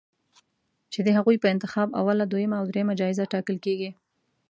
چې د هغوی په انتخاب اوله، دویمه او دریمه جایزه ټاکل کېږي